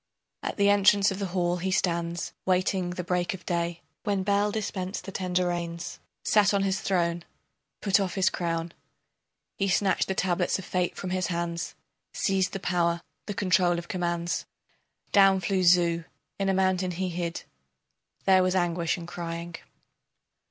At the entrance of the hall he stands, waiting the break of day, When Bel dispensed the tender rains, Sat on his throne, put off his crown, He snatched the tablets of fate from his hands, Seized the power, the control of commands. Down flew Zu, in a mountain he hid. There was anguish and crying.